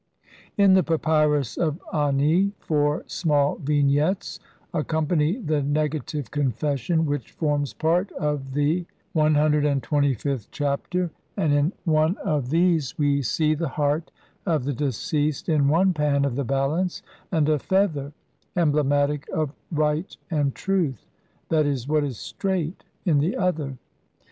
In the Papyrus of Ani (sheet 3i) four small Vig nettes accompany the Negative Confession, which forms part of the CXXVth Chapter, and in one of THE JUDGMENT OF THE DEAD. XCV these we see the heart of the deceased in one pan of the balance, and a feather, emblematic of Right and Truth, /. e., "what is straight", in the other.